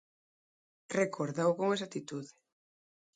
Recórdao con exactitude.